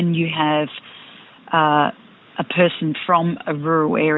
ketika anda memiliki orang dari kawasan luar